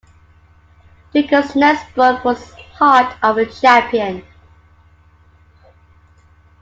Deuker's next book was "Heart of a Champion".